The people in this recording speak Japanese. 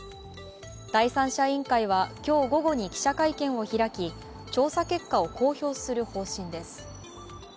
第三者委員会は今日午後に記者会見を開き、調査結果を公表する方針です。